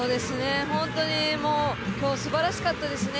本当に今日、すばらしかったですね。